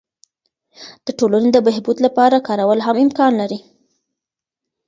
د ټولني د بهبود لپاره کارول هم امکان لري.